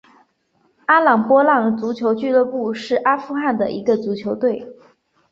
阿姆波浪足球俱乐部是阿富汗的一个足球队。